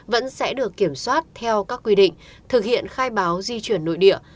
vẫn sẽ được kiểm soát theo các quy định thực hiện khai báo di chuyển nội địa